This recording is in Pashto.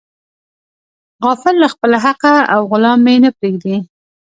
غافل له خپله حقه او غلام مې نه پریږدي.